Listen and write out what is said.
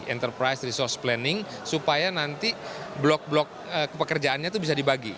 enterprise resource planning supaya nanti blok blok pekerjaannya itu bisa dibagi